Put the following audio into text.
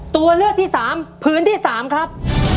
ตัวเลือกที่สามพื้นที่สามครับ